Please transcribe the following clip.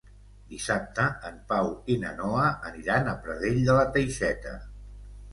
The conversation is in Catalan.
Dissabte en Pau i na Noa aniran a Pradell de la Teixeta.